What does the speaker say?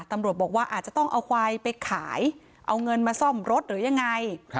ตำรวจบอกว่าอาจจะต้องเอาควายไปขายเอาเงินมาซ่อมรถหรือยังไง